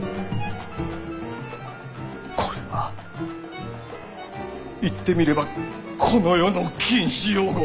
これは言ってみればこの世の「禁止用語」。